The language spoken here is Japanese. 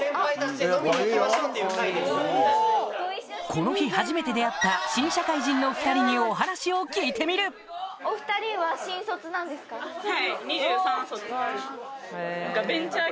この日初めて出会った新社会人のお２人にお話を聞いてみるなので結構。